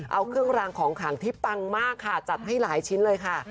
เอาเครื่องรางของขังที่ปังมากค่ะจัดให้หลายชิ้นเลยค่ะ